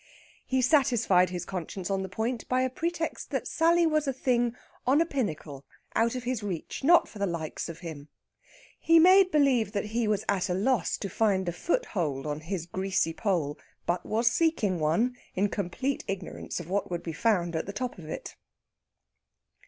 He satisfied his conscience on the point by a pretext that Sally was a thing on a pinnacle out of his reach not for the likes of him! He made believe that he was at a loss to find a foothold on his greasy pole, but was seeking one in complete ignorance of what would be found at the top of it.